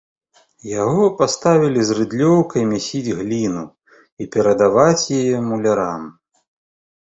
Яго паставілі з рыдлёўкай мясіць гліну і перадаваць яе мулярам.